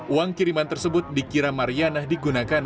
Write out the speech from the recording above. uang kiriman tersebut dikira mariana digunakan